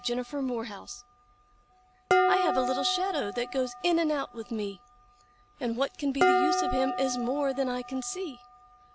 [Pg 20] MY SHADOW I have a little shadow that goes in and out with me, And what can be the use of him is more than I can see.